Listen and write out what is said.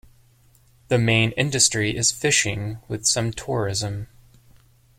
The main industry is fishing with some tourism.